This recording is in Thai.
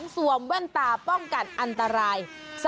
สวมแว่นตาป้องกันอันตราย